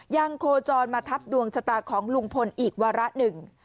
โคจรมาทับดวงชะตาของลุงพลอีกวาระหนึ่ง